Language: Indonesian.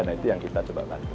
nah itu yang kita coba kan itu